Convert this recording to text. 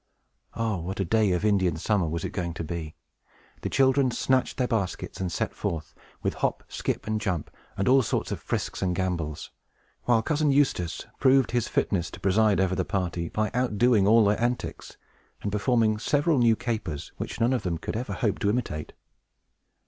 Oh, what a day of Indian summer was it going to be! The children snatched their baskets, and set forth, with hop, skip, and jump, and all sorts of frisks and gambols; while Cousin Eustace proved his fitness to preside over the party, by outdoing all their antics, and performing several new capers, which none of them could ever hope to imitate.